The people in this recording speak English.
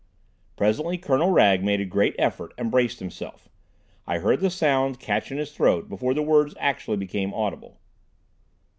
Presently Colonel Wragge made a great effort and braced himself. I heard the sound catch in his throat before the words actually became audible.